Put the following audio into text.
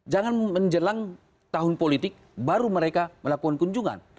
jangan menjelang tahun politik baru mereka melakukan kunjungan